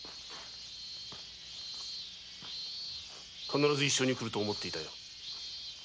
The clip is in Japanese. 必ず一緒に来ると思っていたよ。